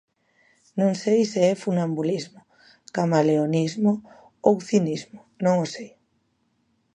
Non sei se é funambulismo, camaleonismo ou cinismo, non o sei.